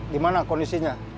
di mana kondisinya